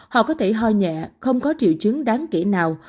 họ có thể ho nhẹ không có triệu chứng đáng kể nào